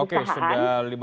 oke sudah lima an ya